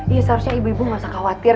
iya seharusnya ibu ibu nggak usah khawatir